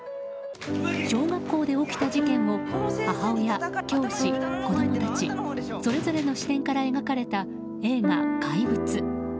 小学校で起きた事件を母親、教師、子供たちそれぞれの視点から描かれた映画「怪物」。